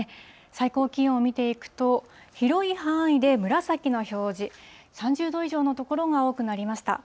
最高気温見ていくと、広い範囲で紫の表示、３０度以上の所が多くなりました。